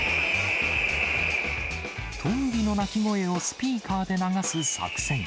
トンビの鳴き声をスピーカーで流す作戦。